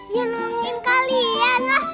ya nungguin kalian lah